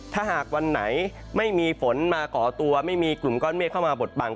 ถ้าหากวันไหนไม่มีฝนมาก่อตัวไม่มีกลุ่มก้อนเมฆเข้ามาบดบัง